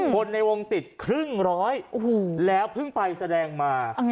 คนในวงติดครึ่งร้อยแล้วเพิ่งไปแสดงมา